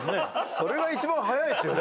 それが一番早いですよね